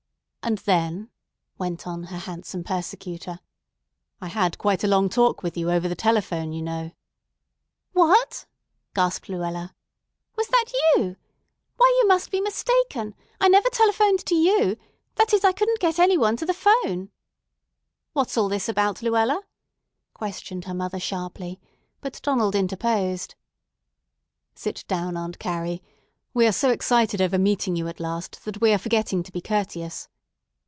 "And then," went on her handsome persecutor, "I had quite a long talk with you over the telephone, you know——" "What!" gasped Luella. "Was that you? Why, you must be mistaken; I never telephoned to you; that is, I couldn't get any one to the 'phone." "What's all this about, Luella?" questioned her mother sharply, but Donald interposed. "Sit down, Aunt Carrie. We are so excited over meeting you at last that we are forgetting to be courteous."